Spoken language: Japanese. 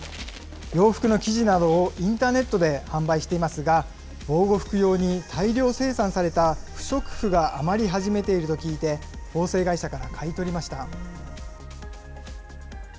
洋服の生地などをインターネットで販売していますが、防護服用に大量生産された不織布が余り始めていると聞いて、縫製会社から買い取りました。